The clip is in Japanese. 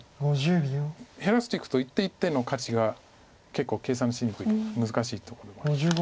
減らしていくと一手一手の価値が結構計算しにくい難しいとこでもあります。